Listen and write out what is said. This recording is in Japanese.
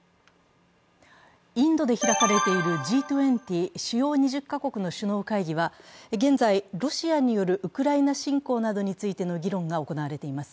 インドで開かれているＧ２０＝主要国２０か国の首脳会議は現在、ロシアによるウクライナ侵攻などについての議論が行われています。